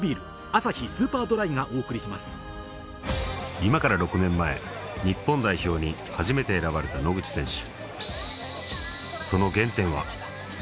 今から６年前日本代表に初めて選ばれた野口選手